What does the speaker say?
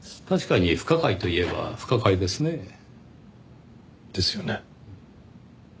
確かに不可解と言えば不可解ですねぇ。ですよね？